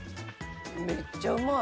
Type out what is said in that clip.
めっちゃうまい。